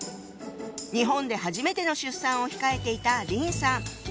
日本で初めての出産を控えていた林さん。